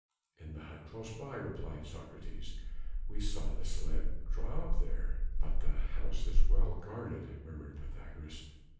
"In the hut close by," replied Socrates, "we saw the sledge draw up there...." "But the house is well guarded," murmured Pythagoras.